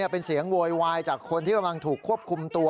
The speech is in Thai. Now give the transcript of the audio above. เป็นเสียงโวยวายจากคนที่กำลังถูกควบคุมตัว